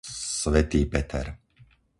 Svätý Peter